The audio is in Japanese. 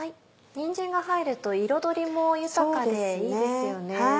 にんじんが入ると彩りも豊かでいいですよね。